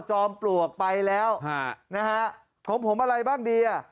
ปลวกไปแล้วนะฮะของผมอะไรบ้างดีอ่ะ